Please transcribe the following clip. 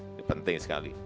ini penting sekali